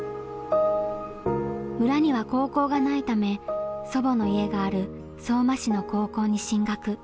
村には高校がないため祖母の家がある相馬市の高校に進学。